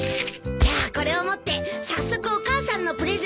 じゃあこれを持って早速お母さんのプレゼントを買いに。